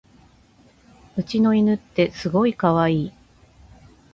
うちの犬ってすごいかわいい